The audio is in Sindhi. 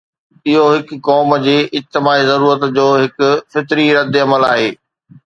اهو هڪ قوم جي اجتماعي ضرورت جو هڪ فطري ردعمل آهي.